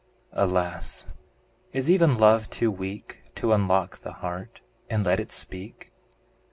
Alas! is even love too weak To unlock the heart, and let it speak?